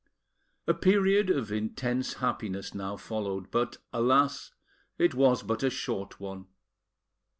A period of intense happiness now followed; but, alas! it was but a short one.